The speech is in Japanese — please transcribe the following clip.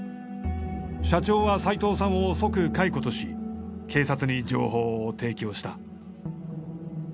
社長は斉藤さんを即解雇とし警察に情報を提供した。